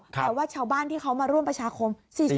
แปลว่าชาวบ้านที่มาร่วมประชาคม๔๑คน